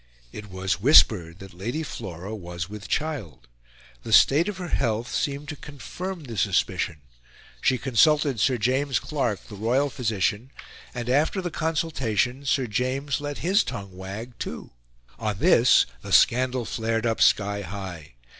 It was whispered that Lady Flora was with child. The state of her health seemed to confirm the suspicion; she consulted Sir James Clark, the royal physician, and, after the consultation, Sir James let his tongue wag, too. On this, the scandal flared up sky high.